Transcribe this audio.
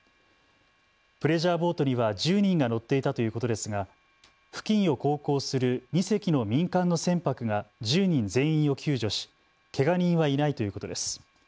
プレジャーボートには１０人が乗っていたということですが付近を航行する２隻の民間の船舶が１０人全員を救助しけが人はいないということです。